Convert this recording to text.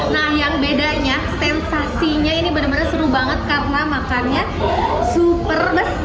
nah yang bedanya sensasinya ini benar benar seru banget karena makannya super